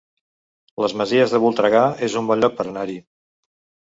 Les Masies de Voltregà es un bon lloc per anar-hi